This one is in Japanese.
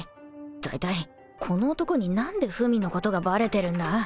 大体この男に何で文のことがばれてるんだ？